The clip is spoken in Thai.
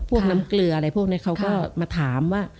พวกน้ำเกลืออะไรพวกนี้เขาก็มาถามว่า